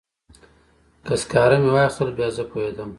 که سکاره مې واخیستل بیا زه پوهیږم.